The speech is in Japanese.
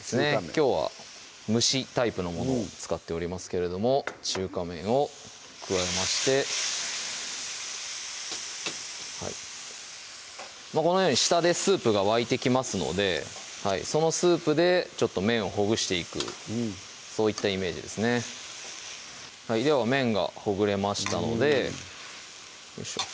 きょうは蒸しタイプのものを使っておりますけれども中華麺を加えましてこのように下でスープが沸いてきますのでそのスープで麺をほぐしていくそういったイメージですねでは麺がほぐれましたのでよいしょ